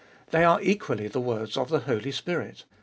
They are equally the words of the Holy Spirit.